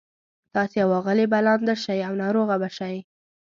تاسي او آغلې به لانده شئ او ناروغه به شئ.